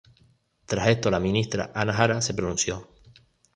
Tras esto la ministra Ana Jara, se pronunció.